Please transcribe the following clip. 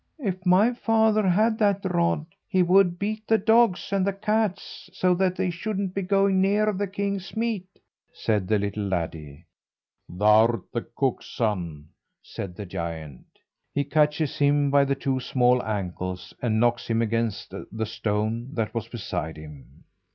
"If my father had that rod he would beat the dogs and the cats, so that they shouldn't be going near the king's meat," said the little laddie. "Thou'rt the cook's son," said the giant. He catches him by the two small ankles and knocks him against the stone that was beside him.